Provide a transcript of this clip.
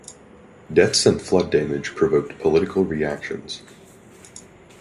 Deaths and flood damage provoked political reactions.